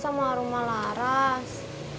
sama rumah laras